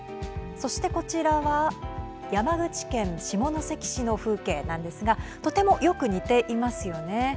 そして、こちらは山口県下関市の風景なんですがとてもよく似ていますよね。